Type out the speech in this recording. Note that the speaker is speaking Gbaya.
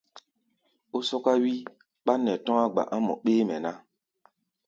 Ó sɔ́ká wí ɓán nɛ tɔ̧́á̧ gba̧Ꞌá̧ mɔ béémɛ ná.